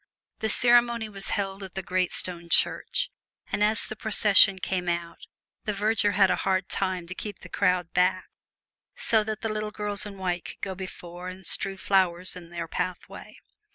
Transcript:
The ceremony was held at the great stone church; and as the procession came out, the verger had a hard time to keep the crowd back, so that the little girls in white could go before and strew flowers in their pathway.